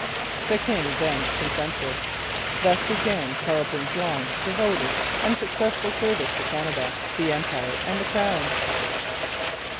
The king then consented. Thus began Carleton's long, devoted, and successful service for Canada, the Empire, and the Crown.